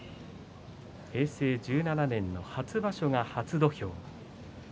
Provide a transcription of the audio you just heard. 平成１７年の初場所が初土俵。